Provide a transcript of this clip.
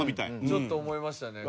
ちょっと思いましたね。